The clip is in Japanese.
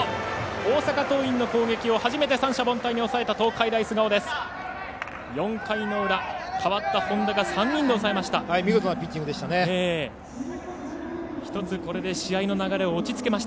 大阪桐蔭の攻撃を初めて三者凡退に抑えた東海大菅生です。